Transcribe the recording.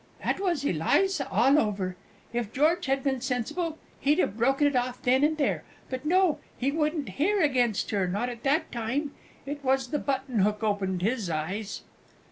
That was Eliza all over. If George had been sensible, he'd have broken it off then and there but no, he wouldn't hear a word against her, not at that time it was the button hook opened his eyes!